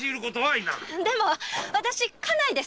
でも私家内です！